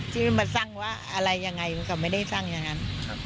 จริงมันสร้างว่าอะไรอย่างไรเขาก็ไม่ได้สร้างอย่างนั้น